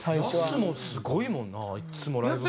ヤスもすごいもんないつもライブ前。